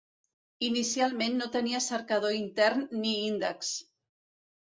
Inicialment no tenia cercador intern ni índexs.